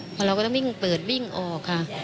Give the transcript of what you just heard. เพราะเราก็ต้องเปิดวิ่งออกค่ะ